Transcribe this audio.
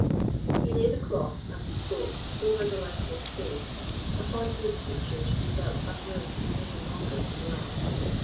He laid a cloth, as he spoke, over the lifeless face, upon whose features he felt unwilling any longer to dwell.